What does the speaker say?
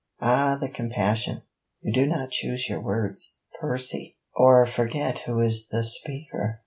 'Ah, the compassion! You do not choose your words, Percy, or forget who is the speaker.'